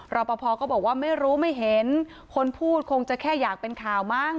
รอปภก็บอกว่าไม่รู้ไม่เห็นคนพูดคงจะแค่อยากเป็นข่าวมั้ง